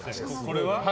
これは？